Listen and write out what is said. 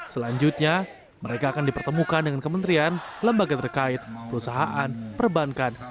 selanjutnya mereka akan dipertemukan dengan kementerian lembaga terkait perusahaan perbankan